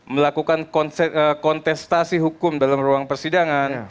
melakukan kontestasi hukum dalam ruang persidangan